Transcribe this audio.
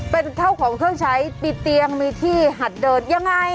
เป็นข้าวของเครื่องใช้มีเตียงมีที่หัดเดินยังไง